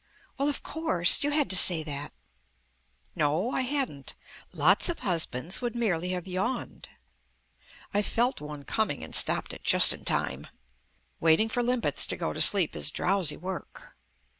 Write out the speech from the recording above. "Well, of course, you had to say that." "No, I hadn't. Lots of husbands would merely have yawned." I felt one coming and stopped it just in time. Waiting for limpets to go to sleep is drowsy work.